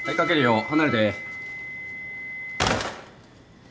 離れて。